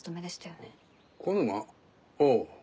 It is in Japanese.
ああ。